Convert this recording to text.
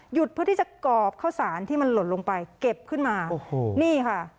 เพื่อที่จะกรอบข้าวสารที่มันหล่นลงไปเก็บขึ้นมาโอ้โหนี่ค่ะ